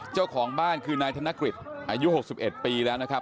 เจ้าของบ้านคือนายธนกฤษอายุ๖๑ปีแล้วนะครับ